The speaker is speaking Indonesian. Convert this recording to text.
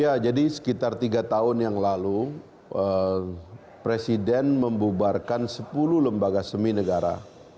ya jadi sekitar tiga tahun yang lalu presiden membubarkan sepuluh lembaga semi negara